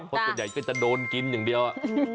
เพราะส่วนใหญ่ก็จะโดนกินอย่างเดียว